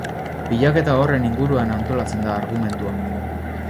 Bilaketa horren inguruan antolatzen da argumentua.